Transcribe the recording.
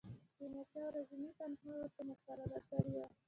تیمورشاه ورځنۍ تنخوا ورته مقرره کړې وه.